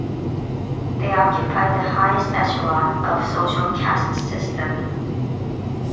They occupied the highest echelon of social caste system.